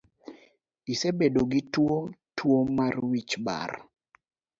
Isebedo gituo tuo mar wich bar?